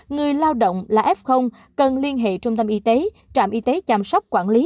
người lao động là f cần liên hệ trung tâm y tế trạm y tế chăm sóc quản lý